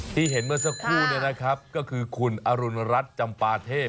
ที่เห็นเมื่อสักครู่เนี่ยนะครับก็คือคุณอรุณรัฐจำปาเทพ